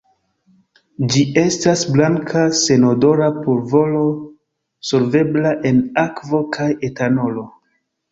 Ĝi estas blanka senodora pulvoro solvebla en akvo kaj etanolo.